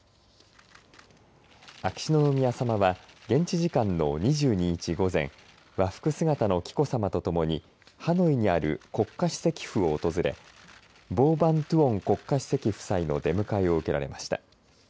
秋篠宮さまは現地時間の２２日午前和服姿の紀子さまと共にハノイにある国家主席府を訪れボー・バン・トゥオン国家主席夫妻の出迎えを受けられました。